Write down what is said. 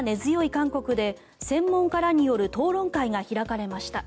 韓国で専門家らによる討論会が開かれました。